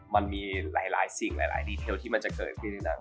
มันมีหลายสิ่งหลายดีเทลที่มันจะเกิดขึ้นในนั้น